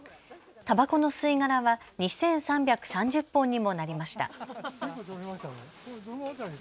たばこの吸い殻は２３３０本にもなりました。